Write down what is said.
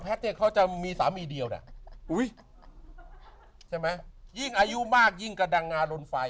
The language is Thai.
เนี่ยเขาจะมีสามีเดียวนะใช่ไหมยิ่งอายุมากยิ่งกระดังงารุนไฟ